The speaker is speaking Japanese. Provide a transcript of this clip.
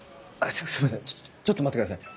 すすいませんちょっと待ってください。